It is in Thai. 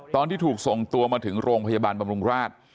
ตอนที่ถูกส่งตัวมาถึงโรงพยาบาลบำรุงราช